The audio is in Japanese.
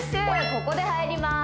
ここで入ります